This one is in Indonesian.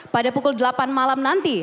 pada pukul delapan malam nanti